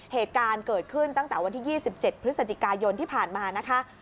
เหตุการณ์เกิดขึ้นตั้งแต่วันที่๒๗พฤศจิกายนที่ผ่านมานะคะ